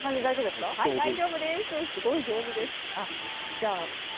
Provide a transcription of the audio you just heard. すごい上手です。